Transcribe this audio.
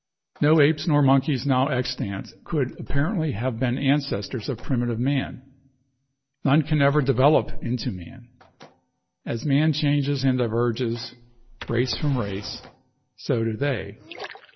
No apes nor monkeys now extant could apparently have been ancestors of primitive man. None can ever 'develop' into man. As man changes and diverges, race from race, so do they.